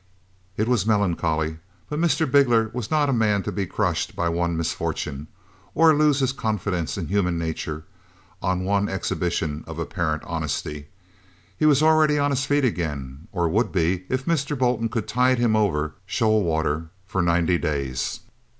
It was melancholy, but Mr. Bigler was not a man to be crushed by one misfortune, or to lose his confidence in human nature, on one exhibition of apparent honesty. He was already on his feet again, or would be if Mr. Bolton could tide him over shoal water for ninety days.